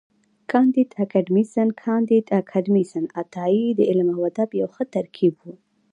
کانديد اکاډميسن کانديد اکاډميسن عطایي د علم او ادب یو ښه ترکیب و.